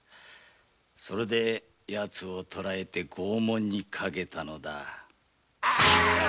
それでヤツを捕えて拷問にかけたのだ。